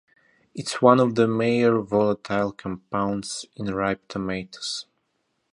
It is one of the major volatile compounds in ripe tomatoes.